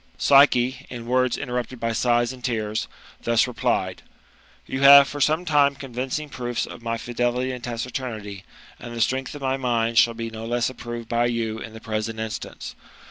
Psyche, in words interrupted by sighs and tears, thus replied :" You have for some time had convincing proofs of my fidelity and taciturnity ; and the strength of my mind shall be no less approved by you in the present instance.